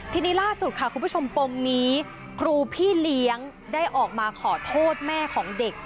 ทีนี้ล่าสุดค่ะคุณผู้ชมปมนี้ครูพี่เลี้ยงได้ออกมาขอโทษแม่ของเด็ก